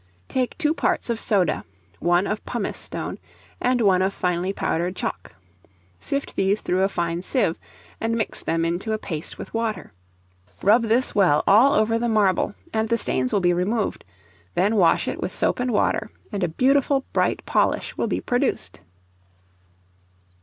Take two parts of soda, one of pumice stone, and one of finely powdered chalk. Sift these through a fine sieve, and mix them into a paste with water. Rub this well all over the marble, and the stains will be removed; then wash it with soap and water, and a beautiful bright polish will be produced.